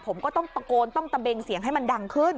ผมก็ต้องตะโกนต้องตะเบงเสียงให้มันดังขึ้น